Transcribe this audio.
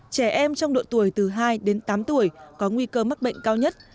trẻ em trong độ tuổi từ hai đến tám tuổi có nguy cơ mắc bệnh cao nhất